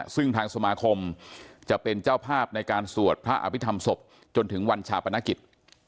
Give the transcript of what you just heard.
ซึ่งทางสมาคมจะเป็นเจ้าภาพในการสวดพระอภิษฐรรมศพจนถึงวันชาปนกิจ